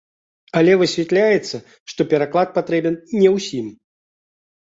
Але высвятляецца, што пераклад патрэбен не ўсім.